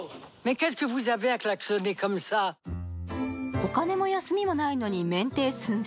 お金も休みもないのに免停寸前。